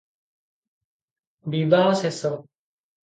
ବିବାହ ଶେଷ ।